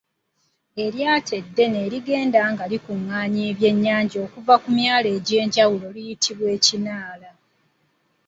Eryato eddene erigenda nga likungaanya ebyennyanja okuva ku myalo egy’enjawulo liyitibwa Ekinaala.